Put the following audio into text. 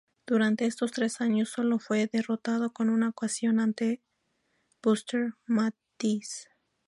Durante estos tres años sólo fue derrotado en una ocasión ante Buster Mathis.